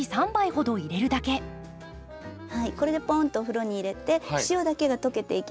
これでポーンとお風呂に入れて塩だけが溶けていきます。